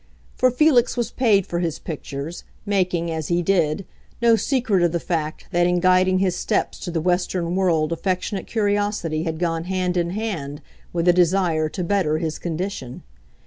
For Felix was paid for his pictures, making, as he did, no secret of the fact that in guiding his steps to the Western world affectionate curiosity had gone hand in hand with a desire to better his condition.